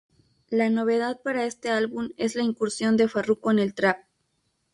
La novedad para este álbum es la incursión de Farruko en el Trap.